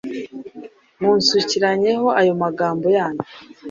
munsukiranyaho ayo magambo yanyu